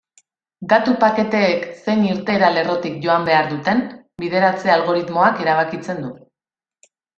Datu-paketeek zein irteera-lerrotik joan behar duten, bideratze-algoritmoak erabakitzen du.